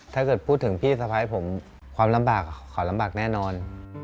ถ้าเกิดพูดถึงพี่สะพ้ายผมความลำบากขอลำบากแน่นอน